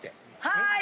はい！